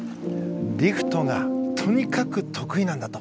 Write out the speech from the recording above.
リフトがとにかく得意なんだと。